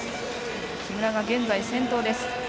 木村が現在、先頭です。